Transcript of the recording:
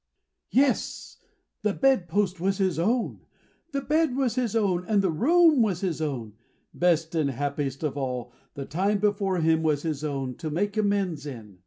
Yes! and the bedpost was his own. The bed was his own, and the room was his own. Best and happiest of all, the time before him was his own, to make amends in!